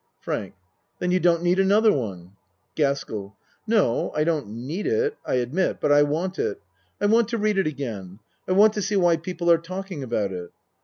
FRANK Then you don't need another one. GASKELL No I don't need it I admit, but I want it. I want to read it again. I want to see why people are talking about it.